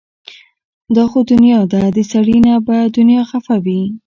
دا خو دنيا ده د سړي نه به دنيا خفه وي